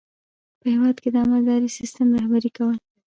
په هیواد کې د عامه اداري سیسټم رهبري کول.